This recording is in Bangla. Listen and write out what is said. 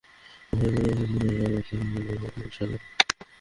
পাঠকমাত্রই এই যত্নের ছাপ অনুভব করবেন ইনশাআল্লাহ।